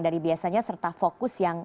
dari biasanya serta fokus yang